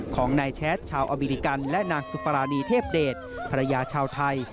ของนายแชทชาวอเมริกันและนางสุปรานีเทพเดชภรรยาชาวไทย